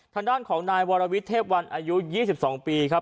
ทางด้านของนายวรวิทยเทพวันอายุ๒๒ปีครับ